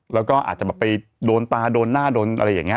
แล้วก็อาจจะแบบไปโดนตาโดนหน้าโดนอะไรอย่างนี้